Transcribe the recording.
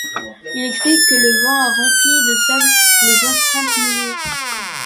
Il explique que le vent a rempli de sable les empreintes mouillées.